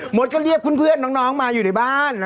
ดก็เรียกเพื่อนน้องมาอยู่ในบ้าน